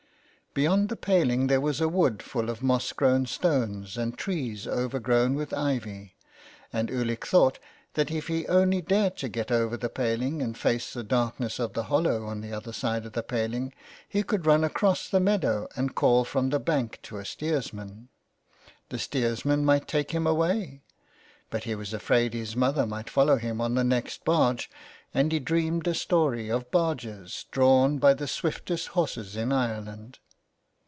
Beyond the paling there was a wood full of moss grown stones and trees overgrown with ivy, and Ulick thought that if he only dared to get over the paling and face the darkness of the hollow on the other side of the paling, he could run across the meadow and call from the bank to a steersman. The steersman might take him away ! But he was afraid his mother might follow him on the next barge, and he dreamed a story of barges drawn by the swiftest horses in Ireland.